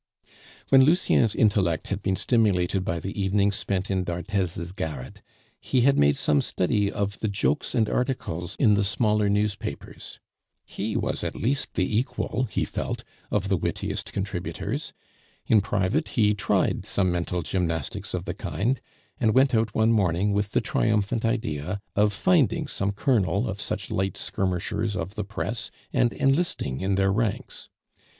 When Lucien's intellect had been stimulated by the evenings spent in d'Arthez's garret, he had made some study of the jokes and articles in the smaller newspapers. He was at least the equal, he felt, of the wittiest contributors; in private he tried some mental gymnastics of the kind, and went out one morning with the triumphant idea of finding some colonel of such light skirmishers of the press and enlisting in their ranks.